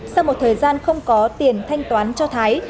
sau một thời gian không có tiền thanh toán cho thái